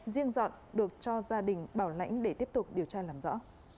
riêng dọn được cho gia đình bảo lãnh để tiếp tục điều tra làm rõ